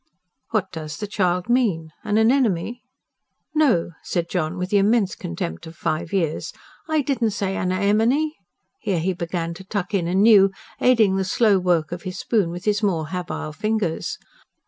"What does the child mean? An anemone?" "NO!" said John with the immense contempt of five years. "I didn't say anner emeny." Here, he began to tuck in anew, aiding the slow work of his spoon with his more habile fingers.